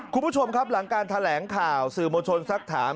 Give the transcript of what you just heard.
คุณผู้ชมครับหลังการแถลงข่าวสื่อมวลชนสักถาม